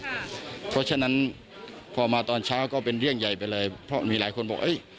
เพราะฉะนั้นพอมาตอนเช้าก็เป็นเรื่องใหญ่ไปเลยเพราะมีหลายคนบอกเอ้ย